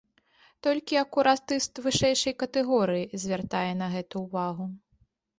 Толькі акуратыст вышэйшай катэгорыі звяртае на гэта ўвагу.